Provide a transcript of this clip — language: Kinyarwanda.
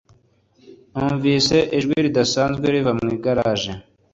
Numvise ijwi ridasanzwe riva mu igaraje